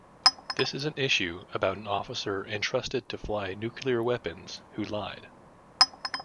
This is an issue about an officer, entrusted to fly nuclear weapons, who lied.